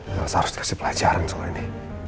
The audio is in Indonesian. elsa harus dikasih pelajaran soal ini